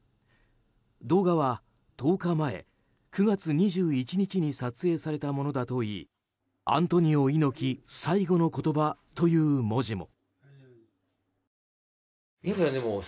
動画は１０日前、９月２１日に撮影されたものだといい「アントニオ猪木最期の言葉」という文字も。